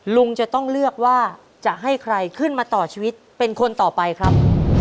ลุงจะต้องเลือกว่าจะให้ใครขึ้นมาต่อชีวิตเป็นคนต่อไปครับ